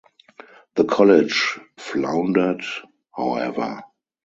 The college floundered, however.